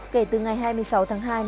kể từ ngày hai mươi sáu tháng hai